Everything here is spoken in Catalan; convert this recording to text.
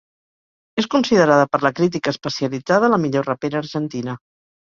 És considerada per la crítica especialitzada la millor rapera argentina.